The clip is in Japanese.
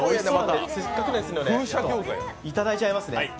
せっかくなのでいただいちゃいます